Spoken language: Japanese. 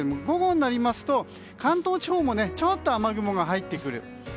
午後になりますと、関東地方もちょっと雨雲が入ってくる。